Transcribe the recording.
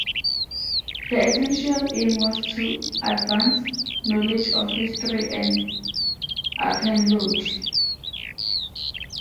The essential aim was to advance knowledge of history and archaeology.